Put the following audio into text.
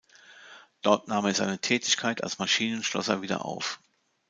Dort nahm er seine Tätigkeit als Maschinenschlosser wieder auf.